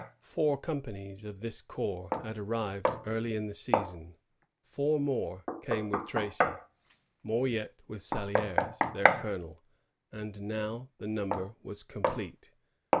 Four companies of this corps had arrived early in the season; four more came with Tracy, more yet with Salidres, their colonel, — and now the number was complete.